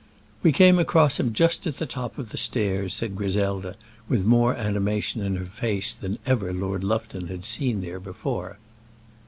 "We came across him just at the top of the stairs," said Griselda, with more animation in her face than ever Lord Lufton had seen there before.